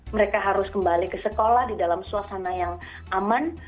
mereka harus kembali ke sekolah di dalam suasana yang aman